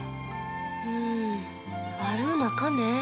うん悪うなかね。